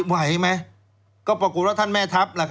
ไหวไหมก็ปรากฏว่าท่านแม่ทัพ